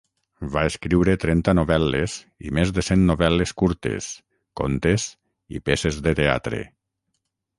Va escriure trenta novel·les i més de cent novel·les curtes, contes i peces de teatre.